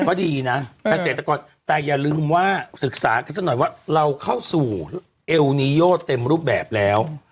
ก็ดีนะเกษตรกรแต่อย่าลืมว่าศึกษากันสักหน่อยว่าเราเข้าสู่เอลนีโยเต็มรูปแบบแล้ว